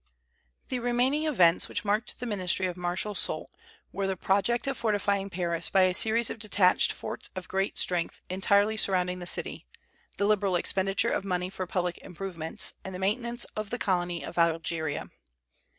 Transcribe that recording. The remaining events which marked the ministry of Marshal Soult were the project of fortifying Paris by a series of detached forts of great strength, entirely surrounding the city, the liberal expenditure of money for public improvements, and the maintenance of the colony of Algeria.